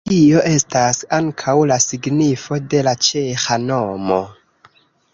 Tio estas ankaŭ la signifo de la ĉeĥa nomo.